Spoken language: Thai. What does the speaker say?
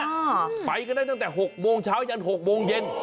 อ่าไปกันได้ตั้งแต่หกโมงเช้ายันหกโมงเย็น